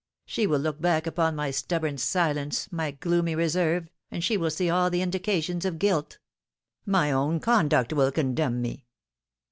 She will look back upon my stubborn silence, my gloomy reserve, and she will see all the indications of guilt. My own conduct will condemn me."